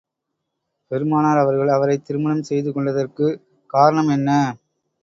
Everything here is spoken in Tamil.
பெருமானார் அவர்கள், அவரைத் திருமணம் செய்து கொண்டதற்குக் காரணம் என்ன?